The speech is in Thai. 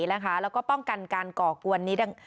แล้วก็ป้องกันการก่อกวนนี้